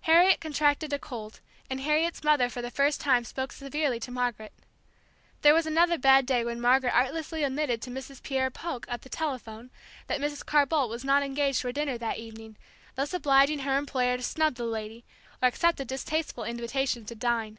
Harriet contracted a cold, and Harriet's mother for the first time spoke severely to Margaret. There was another bad day when Margaret artlessly admitted to Mrs. Pierre Polk at the telephone that Mrs. Carr Boldt was not engaged for dinner that evening, thus obliging her employer to snub the lady, or accept a distasteful invitation to dine.